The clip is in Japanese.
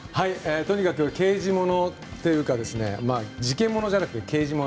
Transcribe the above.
とにかく刑事物というか事件物じゃなくて刑事物。